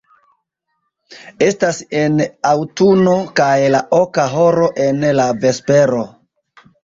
Estas en aŭtuno kaj la oka horo en la vespero.